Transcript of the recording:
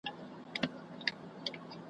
هغه اولس به اخته په ویر وي ,